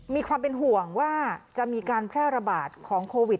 มีความเป็นห่วงว่าจะมีการแพร่ระบาดของโควิด